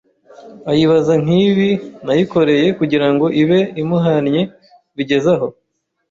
ayibaza n’kibi yayikoreye kugirango ibe imuhannye bigeze aho.